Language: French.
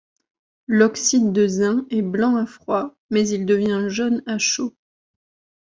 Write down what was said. L'oxyde de zinc est blanc à froid, mais il devient jaune à chaud.